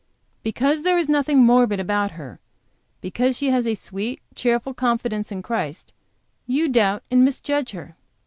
Because there is nothing morbid about her, because she has a sweet, cheerful confidence in Christ; you doubt and misjudge her.